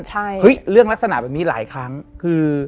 เห้ยเรื่องลักษณะเป็นมีหลายครั้งคือ